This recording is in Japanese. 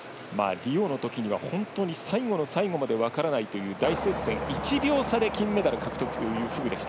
リオのときには本当に最後の最後まで分からないという大接戦、１秒差で金メダル獲得のフグ。